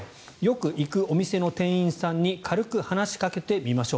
よく行くお店の店員さんに軽く話しかけてみましょう。